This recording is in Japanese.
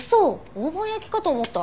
大判焼きかと思った。